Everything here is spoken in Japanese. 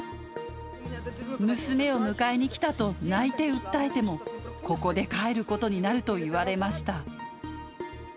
娘を迎えに来たと泣いて訴えても、ここで帰ることになると言われました。